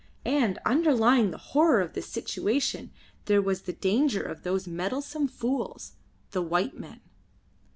And underlying the horror of this situation there was the danger of those meddlesome fools, the white men.